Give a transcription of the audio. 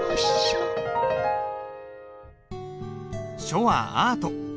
書はアート。